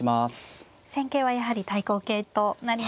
戦型はやはり対抗型となりましたね。